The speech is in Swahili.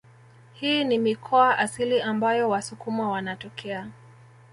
Hii ni mikoa asili ambayo wasukuma wanatokea